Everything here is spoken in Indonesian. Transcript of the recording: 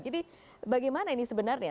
jadi bagaimana ini sebenarnya